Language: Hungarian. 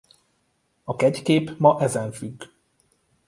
A kegykép ma ezen függ.